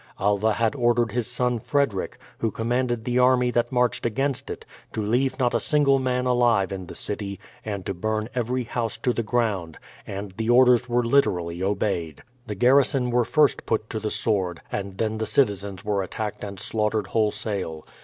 Alva had ordered his son Frederick, who commanded the army that marched against it, to leave not a single man alive in the city, and to burn every house to the ground; and the orders were literally obeyed. The garrison were first put to the sword, and then the citizens were attacked and slaughtered wholesale.